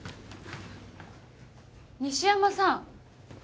西山さん